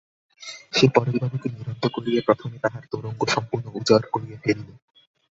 সে পরেশবাবুকে নিরস্ত করিয়া প্রথমে তাঁহার তোরঙ্গ সম্পূর্ণ উজাড় করিয়া ফেলিল।